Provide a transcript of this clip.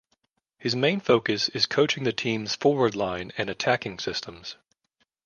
His main focus is coaching the team's forward line and attacking systems.